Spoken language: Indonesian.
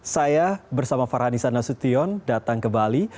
saya bersama farhani sanasution datang ke bali